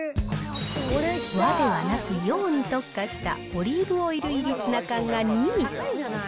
和ではなく、洋に特化したオリーブオイル入りツナ缶が２位。